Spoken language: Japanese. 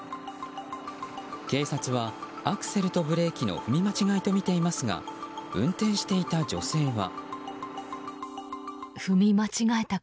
警察はアクセルとブレーキの踏み間違いとみていますが運転していた女性は。